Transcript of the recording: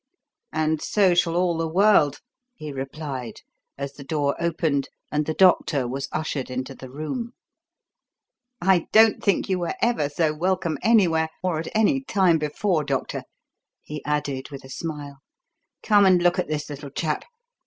"And so shall all the world," he replied as the door opened and the doctor was ushered into the room. "I don't think you were ever so welcome anywhere or at any time before, doctor," he added with a smile. "Come and look at this little chap.